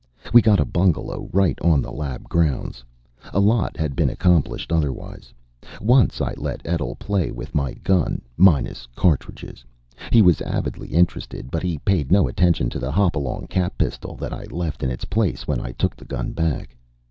We got a bungalow right on the lab grounds. A lot had been accomplished, otherwise. Once I let Etl play with my gun, minus cartridges. He was avidly interested; but he paid no attention to the Hopalong cap pistol that I left in its place when I took the gun back.